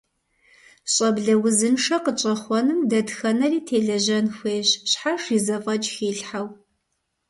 Щӏэблэ узыншэ къытщӏэхъуэным дэтхэнэри телэжьэн хуейщ, щхьэж и зэфӏэкӏ хилъхьэу.